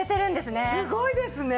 すごいですね。